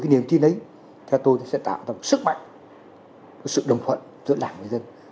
từ cái niềm tin ấy theo tôi thì sẽ tạo ra một sức mạnh một sự đồng phận giữa đảng và người dân